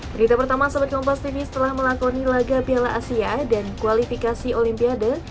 berita pertama sempat kompas tv setelah melakoni laga piala asia dan kualifikasi olimpiade